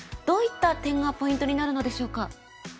どういった点がポイントになるのでしょうか。